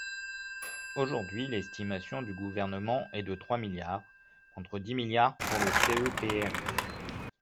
Aujourd’hui, l’estimation du Gouvernement est de trois milliards, contre dix milliards pour le CEPRI.